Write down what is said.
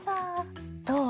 どう？